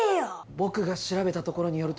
僕が調べたところによるとね。